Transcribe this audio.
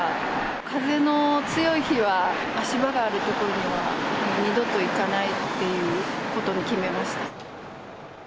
風の強い日は足場がある所には、二度と行かないっていうことに決めました。